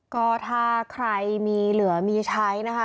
ก็ถ้าใครมีเหลือมีใช้นะคะ